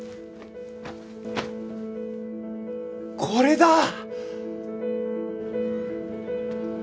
これだ！